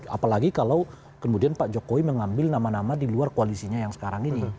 apalagi kalau kemudian pak jokowi mengambil nama nama di luar koalisinya yang sekarang ini